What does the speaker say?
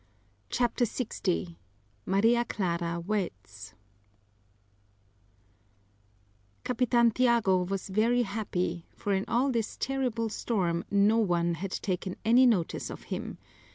CHAPTER LX Maria Clara Weds Capitan Tiago was very happy, for in all this terrible storm no one had taken any notice of him.